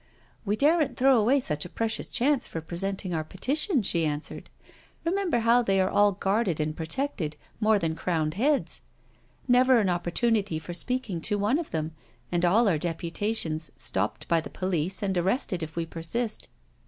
•' We daren't throw away such a precious chance for presenting our petition," she answered. " Remember how they are all guarded and protected, more than crowned heads. Never an opportunity for speaking to one of them, and all our deputations stopped by the police and arrested if we persist.